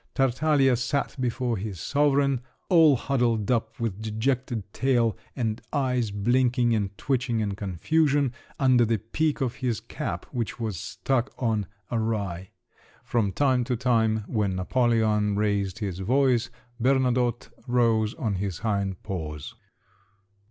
Tartaglia sat before his sovereign, all huddled up, with dejected tail, and eyes blinking and twitching in confusion, under the peak of his cap which was stuck on awry; from time to time when Napoleon raised his voice, Bernadotte rose on his hind paws.